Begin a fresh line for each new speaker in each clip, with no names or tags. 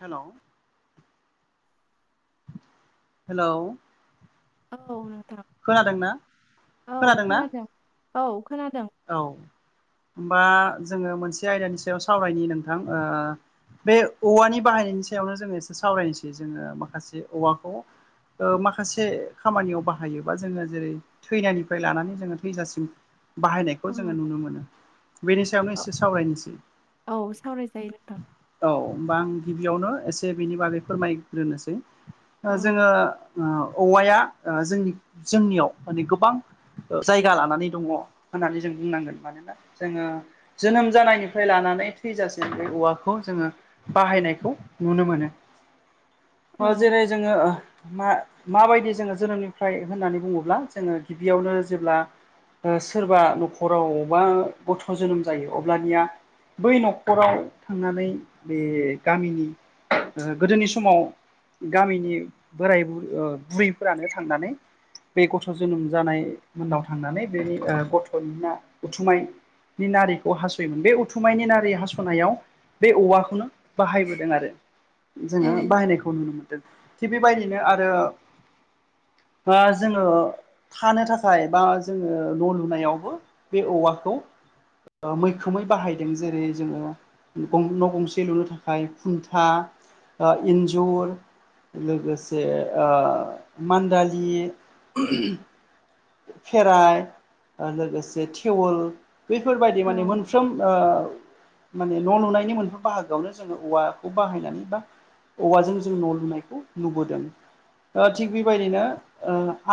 हेल [inaudible] हेल'
औ नोंथां
खोनादोंना
औ
खोनादोंना
खोनादों औ खोनादों
औ ओमबा जोङो मोनसे आयदानि सायाव सावरायनि नोंथां ओ बे औवानि बाहायनायनि सायावनो जोङो एसे सावरायनोसै जोङो माखासे औवाखौ माखासे खामानियाव बाहायोबा जोङो जेरै थैनायनिफ्राय लानानै जोङो थैजासिम बाहायनायखौ
औ
जोङो नुनो मोनो बेनि सायावनो
औ
एसे सावरायनोसै
औ सावरायजायो नोंथां
औ होमबा आं गिबियावनो एसे बेनि बागै फोरमायग्रोनोसै
नोंथां औ
जोंङो औवाया जोंनि जोंनियाव माने गोबां जायगा लानानै दंङ होननानै जों बुंनांगोन मानोना जोंङो जोनोम जानायनिफ्राय लानानै थैजासेम बे औवाखौ जोंङो बाहायनायखौ नुनो मोनो
औ
जेरै जोङो मा माबायदि जोङो जोनोमनिफ्राय होननानै बुङोब्ला जोङो गिबियावनो जेब्ला सोरबा न'खरावबा गथ' जोनोम जायो अब्लानिया बै न'खराव थांनानै बे गामिनि गोदोनि समाव गामिनि बोरायुर बुरैफोरानो थांनानै बे गथ जोनोम जानाय मोननाव थांनानै बे गथनि उथुमाय नि नारिखौ हास'योमोन बे उथुमायनि नारि हास'नायाव बे औवाखौनो बाहायबोदों आरो
औ
जोंङो बाहायनायखौ नुनो मोनदों थिग बेबायदिनो आरो बा जोंङो थानो थाखाय बा जोङो न' लु होनावबो बे औवाखौ मैखोमै बाहायदों जेरै जोंङो न' गंसे लुनो थाखाय खुन्था एन्जुर लोगोसे मान्दालि खेराइ लोगोसे थेउल बैफोरबायदि माने
औ
मोनफ्रोम माने न' लुनायनि मोनफ्र बाहागोआवनो जोंङो औवाखौ बाहायनानै बा औवाजों जों न' लुनायखौ नुबोदों थिग बेबायदिनो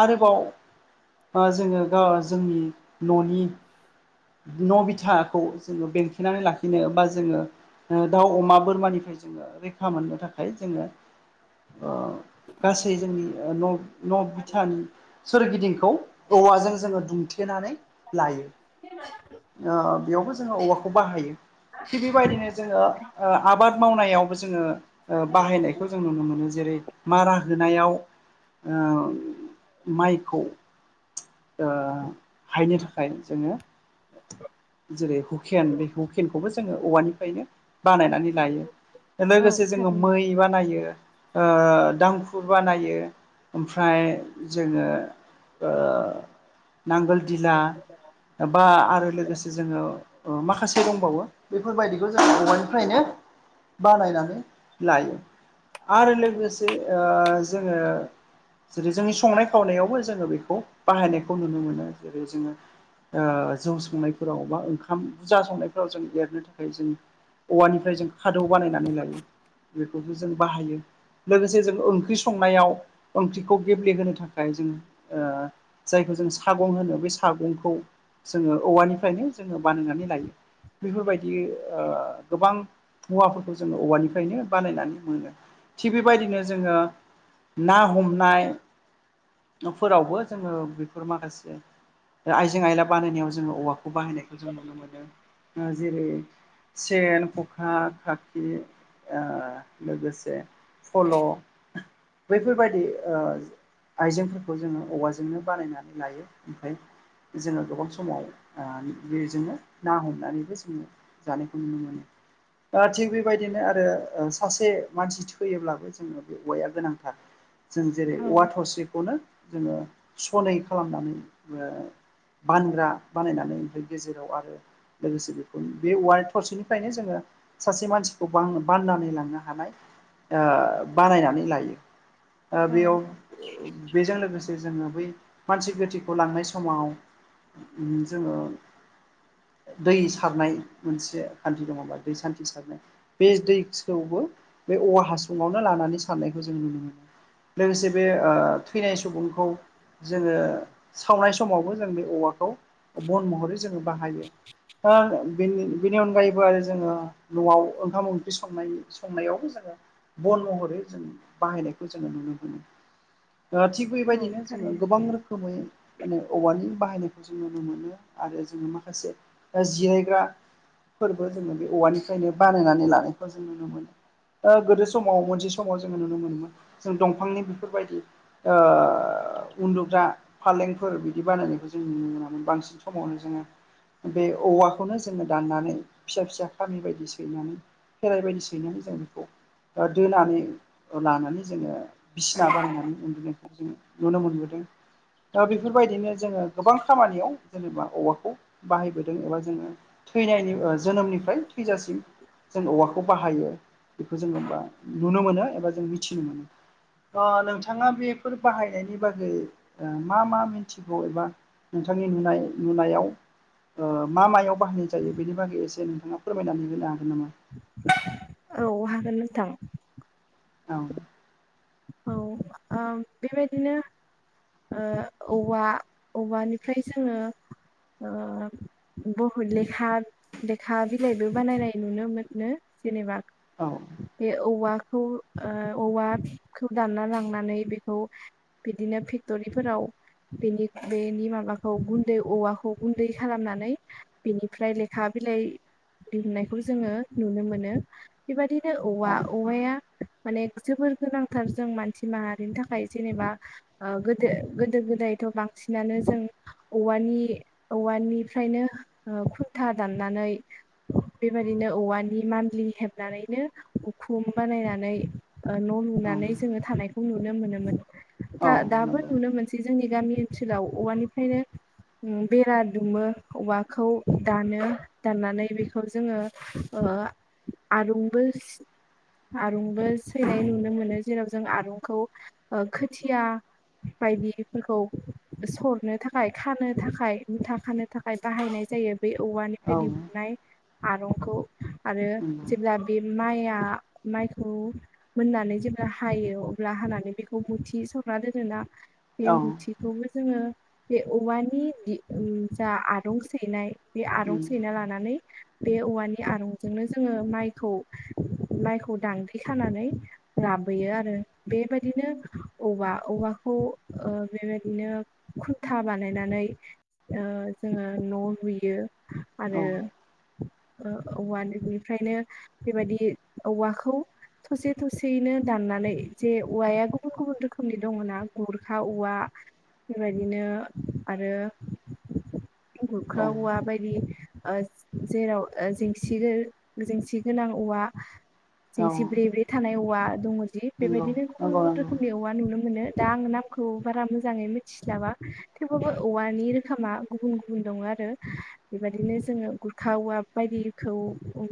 आरोबाव जोंङो गा जोंनि न'नि न' बिथाखौ जोंङो बेंखेनानै लाखिनो बा जोंङो दाउ अमा बोरमानिफ्राय जों रैखा मोननो थाखाय जोंङो गासै जोंनि न न बिथानि सोरगिदिंखौ औवाजों जोंङो दुमथेनानै लायो बेयावबो जोंङो औवाखौ बाहायो थिग बेबायदिनो जोंङो आबाद मावनायावबो जोंङो बाहायनायखौ जों नुनो मोनो जेरै मारा होनायाव माइखौ हायनो थाखाय जोंङो औ जेरै हुकेन बे हुकेनखौबो जोंङो औवानिफ्रायनो बानायनानै लायो
औ
लोगोसे जोंङो
थारैनो
मै बानायो ओ दांखुर बानायो ओमफ्राय जोंङो नांगोल दिला बा आरो लोगोसे जोंङो माखासे दंबावो बेफोरबायदिखौ जों बबवानिफ्रायनो बानायनानै लायो आरो
औ
लोगोसे जोंङो जेरै जोंनि संनाय खावनायावबो जोंङो बेखौ बाहायनायखौ नुनो मोनो जेरै जोंङो जौ संनायफोराव बा ओंखाम बुरजा संनायफोराव जों एरनो थाखाय जों औवानिफ्राय जों खादौ बानायनानै लायो बेखौबो जों बाहायो लोगोसे जों ओंख्रि संनायाव ओंख्रिखौ गेब्लेहोनो थाखाय जोंङो जायखौ जों सागं होनो बे सागंखौ जोङो औवानिफ्रायनो जोंङो बानायनानै लायो बेफोरबायदि गोबां मुवाफोरखौ जोंङो औवानिफ्रायनो बानायनानै मोनो थिग बेबायदिनो जोंङो ना हमनाय न'फोरावबो जोंङो बेफोर माखासे आइजें आइला बानायनायाव जोंङो औवाखौ बाहायनायखौ जों नुनो मोनो जेरै सेन ख'खा खाखि ओ लोगोसे सल' बैफोरबायदि ओ आइजेंफोरखौ जोंङो औवाजोंनो बानायनानै लायो ओमफ्राय जोंङो गोबां समाव ओ बेजोंनो ना हमनानैबो जोंङो जानायखौ नुनो मोनो। थिग बेबायदिनो आरो सासे मानसि थैयोब्लाबो जोंङो बे औवाया गोनांथार जों जेरै औवा
औ
थसेखौनो जोंङो सनै खालामनानै बानग्रा बानायनानै ओमफ्राय गेजेराव आरो लोगोसे बेखौ बे वाल थरसेनिफ्रायनो जोंङो सासे मानसिखौ बान्नानै लांनो हानाय बानायनानै लायो
औ
बेयाव बेजों लोगोसे जोंङो बै मानसि गोथैखौ लांनाय समाव जोंङो दै सारनाय मोनसे खान्थि दंङ होमबा दै सान्थि सारनाय बे दैखौबो बे औवा हासुंङावनो लानानै सारनायखौ जों नुनो मोनो। लोगोसे बे ओ थैनाय सुबुंखौ जोंङो सावनाय समावबो जों बे औवाखौ बन महरै जोंङो बाहायो [unintelligible] बेनि बेनि अनगायैबो आरो जोंङो न'आव ओंखाम ओंख्रि संनाय संनायावबो जोंङो बन महरै जों बाहायनायखौ जोंङो नुनो मोनो दा थिग
औ
बेबायदिनो जोंङो
थारैनो
गोबां रोखोमै माने औवानि बाहायनायखौ जोंङो नुनो मोनो आरो जोंङो माखासे बा जिरायग्रा फोरबो जोंङो बे औवानिफ्रायनो बानायनानै लानायखौ जों नुनो मोनो ओ गोदो समाव मोनसे समाव जोंङो नुनो मोनोमोन जों दंफांनि बेफोरबायदि ओ उन्दुग्रा फालेंफोर बिदि बानायनायखौ जोंनि [unintelligible] होननानै बांसिन समावनो जोङो बे औवाखौनो जोंङो दाननानै फिसा फिसा खामि बायदि सैनानै खेराइबायदि सैनानै जों बेखौ दोनानै लानानै जोंङो बिसिना बानायनानै उन्दुनायफोरखौ जोंङो नुनो मोनबोदों दा बेफोरबायदिनो जोंङो गोबां खामानियाव जेनेबा औवाखौ बाहायबोदों एबा जोंङो थैनायनि ओ जोनोमनिफ्राय थैजासिम जों औवाखौ खौ बाहायो बेखौ जोंङो बा नुनो मोनो एबा जों मिथिनो मोनो ओ नोंथांङा बेफोर बाहायनायनि बागै ओ मा मा मिन्थिगौ एबा नोंथांनि नुनाय नुनायाव ओ मा मायाव बाहायनाय जायो बेनि बागै एसे नोंथांङा फोरमायनानै होनो हागोन नामा?
औ हागोन नोंथां
औ
औ ओ बेबायदिनो ओ औवा औवानिफ्राय जोंङो ओ बुहुत लेखा लेखा बिलाइबो बानायनाय नुनो मोनो जेनेबा
औ
बे औवाखौ ओ औवाखौ दानना लांनानै बेखौ बिदिनो फेक्ट'रिफोराव बेनि बेनि माबाखौ गुन्दै औवाखौ गुन्दै खालामनानै बेनिफ्राय लेखा बिलाइ दिहुननायखौ जोंङो नुनो मोनो बेबायदिनो
औ
औवा औवाया माने जोबोर गोनां थार जों मानसि माहारिनि थाखाय जेनेबा ओ गोदो गोदो गोदायथ' बांसिनानो जों औवानि औवानिफ्रायनो ओ खुन्था दाननानै बेबायदिनो औवानि मान्लि हेबनानैनो उखुम बानायनानै न'
औ
लुनानै जोङो थानायखौ नुनो मोनोमोन
औ
दा दाबो
नंगौ
नुनो मोनसै बे जोंनि गामि ओनसोलाव औवानिफ्रायनो ओ बेरा दुमो औवाखौ दानो! दाननानै बेखौ जोङो ओ आरुंबो आरंबो सैनाय नुनो मोनो जेराव जों आरुंखौ ओ खोथिया बायदिफोरखौ सरनो थाखाय खानो थाखाय मुथा खानो थाखाय बाहायनाय जायो! बे औवानिफ्राय
औ
दिहुननाय आरंखौ आरो
नंगौ
जेब्ला बे माइआ माइखौ मोननानै जे हायो अब्ला हानानै बेखौ मुथि सरना दोनोना बे
औ उम
मुथि बेखौबो जोंङो बे औवानि जा आदं सैनाय बे आरं सैना लानानै बे औवानि आरंजोंनो जोंङो माइखौ माइखौ दांग्रि खानानै लाबोयो आरो बेबायदिनो औवा औवाखौ ओ बेबायदिनो- खुनथा बानायनानै जोङो न' लुयो! आरो
औ
औव बेनिफ्रायनो बेबायदि औवाखौ थसे थसे खाबसेयैनो दाननानै जे औवाया गुबुन गुबुन रोखोमनि दङ ना गुरखा औवा बेबायदिनो आरो गोुरख्रा औवा बायदि ओ जेराव जेंसि जेंसि गोनां औवा
औ
जंसि ब्रे ब्रे थानाय औवा दङ दि
नंगौ
बेबायदिनो
नंगौ
गुबुन
नंगौ
गुबुन रोखोमनि औ बा नुनो मोनो दा आं नामखौ बारा मोजाङै मिथिसलाबा थेवब्लााबो औवानि रोखोमा गुबुन गुबुन दङ आरो! बेबायदिनो जोङो गुरखा औवाब बायदिखौ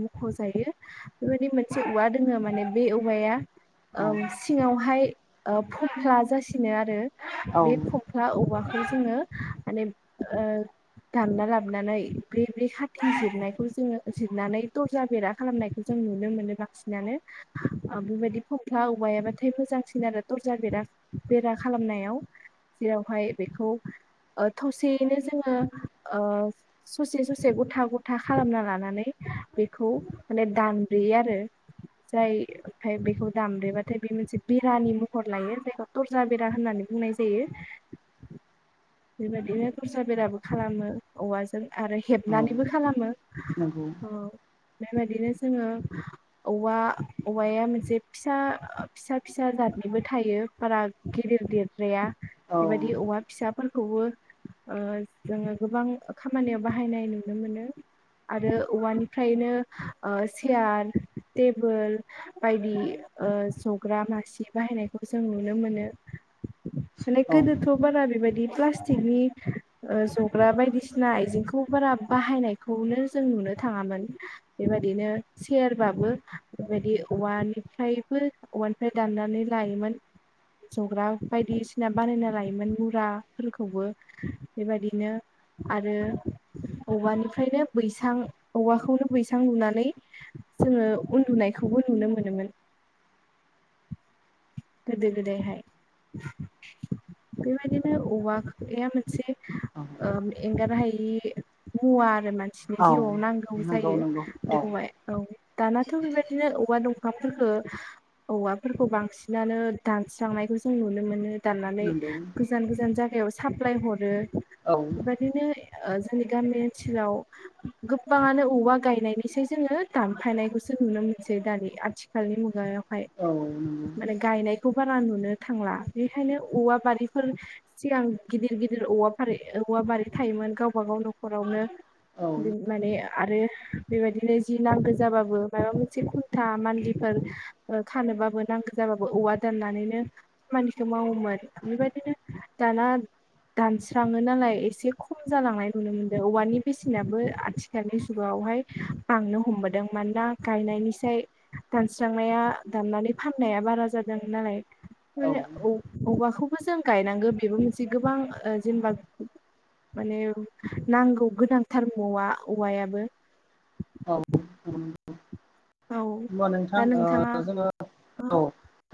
मख'जायो! बेबायदि मोनसे औवा दोङो माने बे औवाया ओ
औ
सिङावहाय ओ फफ्ला जासिनो आरो
औ
बे फख्ला औवाखौ जोङो माने ओ- दानना लाबानै ब्रै ब्रै खाथि जिरनायखौ जोङो जिरनानै दरजा बेरा खालामनायखौ ज जों नुनो मोनो बांसिनानो- बेबायदि फंथ्ला औवायाबाथाय मोजांसिन आरो थरसारर बेरा खालामनायाव- जेरावहाय बेखौ थसेयैनो जोङो ओ - ससे ससे गथा गथा खालामना लानानै बेखौ माने दानब्रोयो आरो! जाय ओमफ्राय बेखौ दामब्रेबाथाय बे मोनसे बेरानि महर लायो जायखौ थरजा बेरा होननानै बुंनाय जायो! ज-
[inaudible]
बेबायदिनो दरसा बेराबो खालामो औवाजों आरो हेबनानैबो खालामो
नंगौ
औ- बेबायाददिनो जोङो औवा औवाया मोनसे फिसा फिसा फिसा जादनिबो थायो बारा गिदिर देर द्आइया
औ
बेबायदि औवा फिसा फोरखौबो ओ जोङो गोबां खामानियाव बाहायनाय नुनो मोनो! आरो औवानिफ्रायनो सियार टेबोल बायदि जग्रा मासि बाहायनायखौ जों नुनो मोनो! माने
औ
गोदोथ' बारा बेबायदि प्लास्टिकनि जग्रा बायदिसिना आइजेंखौ बारा बाहायनायखौनो जों नुनो थाङामोन! बेबायदिनो सयेरबाबो बेबायदि औवानिफ्रायबो औवानिफ्राय दाननानै लायोमोन जग्रा बायदिसिना बानायना लायोमोन मुराफोरखौबो! बेबायादिनो। आरो औवानिफ्रायनो बैसां, औवाखौनो बैसां लुनानै- जोङो उन्दुनायखौबो नुनो मोनोमोन। गोदो गोदायहाय बेबायदिनो औवाया से
औ
एंगार हायि मुवा आरो मानसिनि। जिउआव नांगौ
नंगौ
जायो
नंगौ औ
बेवहाय औ दानाथ' बेबायदिनो औवा दंफांफोरखौ औवाफोरखौ बांसिन बिदिनो दानस्रांनायखौ जों नुनो मोनो दाननानै
नंगौ
गोजान गोजान जायगायाव साप्लाय हरो।
औ-
बिदिनो जोंनि गामि ओनसोलाव- गोबाङानो औवा गायनायनिसै जोङो दानफायनायखौसो नुनो मोनसै दानि आथिखाल- दानि मुगायाव हाय।
औ-
माने गायनायखौ बारा नुनो थांला बेखायनो औवा बारिफोर- सिगां गिदिर-गिदिर औवा फारि औवा बारि थायोमोन गावबा गाव न'खरावनो।
औ
बि माने आरो बेबायदिनो जि नांगौ जाबाबो माबा मोनसे खुन्था मानलिफोर खानोबाबो नांगौ। जाबाबो औवा दाननानैनो खामानिखौ मावोमोन बेबायदिनो दाना दानस्राङो नालाय एसे खम जालांनाय नुनो मोनदों औवानि बेसेनाबो आथि दानि जुगायावहाय बांनो हमबोदों मानोना गायनायनिफ्राय दानस्रांनाया दाननानै फाननाया बारा जादों नालाय। औवाखौबो जों गायनांगौ बेबो मोनसे गोबां ओ जेनेबा माने नांगौ गोनांथार औवा, औवायाबो
औ
औ
होनबा नोंथां
दा नोंथाङा
ओ जोङो
हो
औ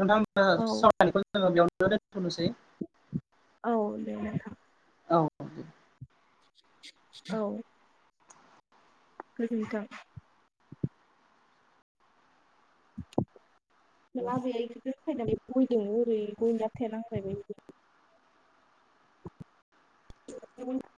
नोंथां
औ
सावरायनायखौ जोङो बेयावनो दोनथ'नोसै।
औ दे नोंथां।
औ
औ गोजोनथों। [unintelligible] [inaudible]